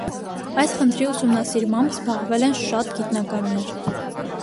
Այս խնդրի ուսումնասիրմամբ զբաղվել են շատ գիտնականներ։